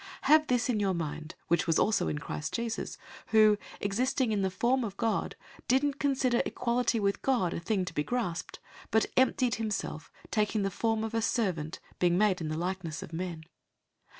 002:005 Have this in your mind, which was also in Christ Jesus, 002:006 who, existing in the form of God, didn't consider equality with God a thing to be grasped, 002:007 but emptied himself, taking the form of a servant, being made in the likeness of men.